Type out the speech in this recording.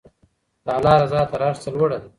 د الله رضا تر هر څه لوړه ده.